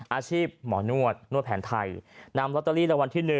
อาชีพหมอนวดนวดแผนไทยนำลอตเตอรี่รางวัลที่๑